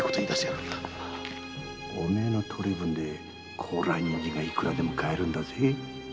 お前の取り分で高麗人参がいくらでも買えるんだぜ。